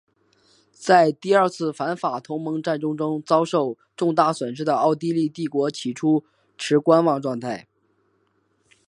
在第二次反法同盟战争中遭受重大损失的奥地利帝国起初持观望态度。